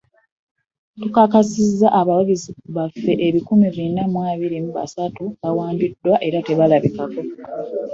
Tukakasizza abawagizi baffe ebikumi bina abiri mu basatu bawambibwa era tebalabikako